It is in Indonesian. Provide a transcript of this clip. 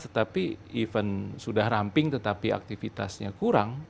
tetapi even sudah ramping tetapi aktivitasnya kurang